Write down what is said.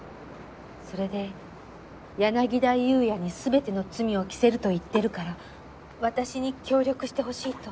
それで柳田裕也に全ての罪を着せると言ってるから私に協力してほしいと。